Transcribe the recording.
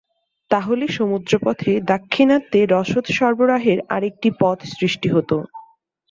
তাহলে সমুদ্রপথে দাক্ষিণাত্যে রসদ সরবরাহের আরেকটি পথ সৃষ্টি হতো।